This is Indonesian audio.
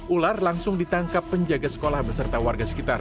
ular langsung ditangkap penjaga sekolah beserta warga sekitar